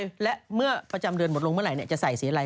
เพราะฉะนั้นพี่ม้าประจำเดือนหมดลงเมื่อไหร่เนี่ยจะใส่สีอะไร